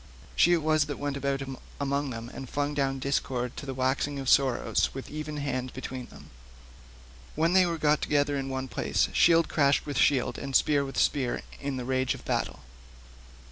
She it was that went about among them and flung down discord to the waxing of sorrow with even hand between them. When they were got together in one place shield clashed with shield and spear with spear in the rage of battle.